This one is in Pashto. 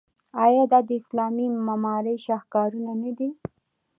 آیا دا د اسلامي معمارۍ شاهکارونه نه دي؟